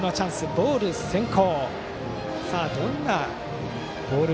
ボール先行。